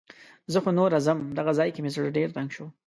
زه خو نوره څم. دغه ځای کې مې زړه ډېر تنګ شو.